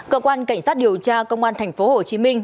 cơ quan cảnh sát điều tra công an thành phố hồ chí minh